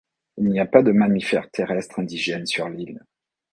Il n'y a pas de mammifères terrestres indigènes sur l'île.